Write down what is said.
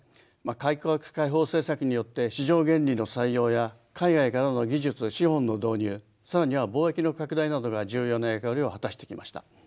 改革開放政策によって市場原理の採用や海外からの技術資本の導入さらには貿易の拡大などが重要な役割を果たしてきました。